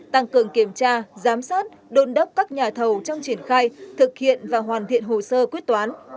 tăng cường kiểm tra giám sát đôn đốc các nhà thầu trong triển khai thực hiện và hoàn thiện hồ sơ quyết toán